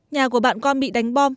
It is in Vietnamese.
nhà của bạn con bị đánh bom